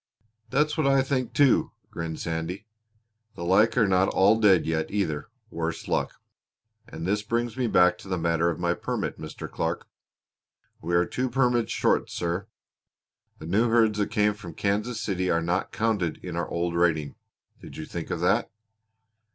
"That's what I think, too," grinned Sandy. "The like are not all dead yet either worse luck! And this brings me back to the matter of my permit, Mr. Clark. We are two permits short, sir. The new herds that came from Kansas City are not counted into our old rating. Did you think of that?